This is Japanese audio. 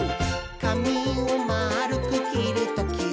「かみをまるくきるときは、」